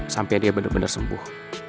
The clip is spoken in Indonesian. sampai dia bener bener sembuh